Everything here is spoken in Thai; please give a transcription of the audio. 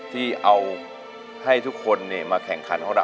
ที่เอาให้ทุกคนมาแข่งขันของเรา